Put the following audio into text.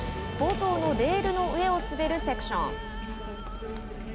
冒頭のレールの上を滑るセクション。